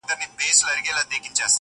دوی دواړه بحث کوي او يو بل ته ټوکي کوي،